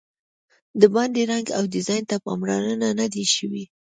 د باندې رنګ او ډیزاین ته پاملرنه نه ده شوې.